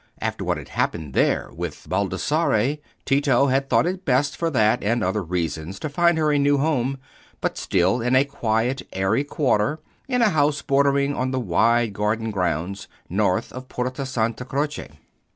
After what had happened there with Baldassarre, Tito had thought it best for that and other reasons to find her a new home, but still in a quiet airy quarter, in a house bordering on the wide garden grounds north of the Porta Santa Croce.